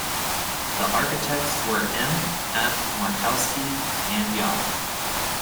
The architects were M. F. Markovsky and Ya.